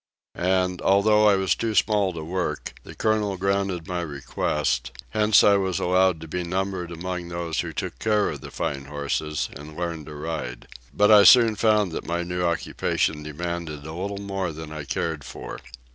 And, although I was too small to work, the Colonel granted my request; hence I was allowed to be numbered among those who took care of the fine horses, and learned to ride. But I soon found that my new occupation demanded a little more than I cared for.